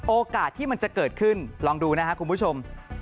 โอกาสที่มันจะเกิดขึ้นลองดูนะครับคุณผู้ชม